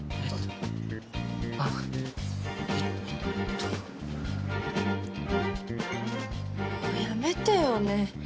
もうやめてよね